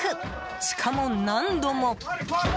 しかも、何度も。